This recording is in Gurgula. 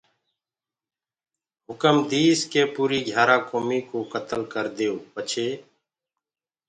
هُڪم ديس ڪي پوريٚ گھِيآرآ ڪوميٚ ڪو ڪتلَ ڪرَديئو پڇي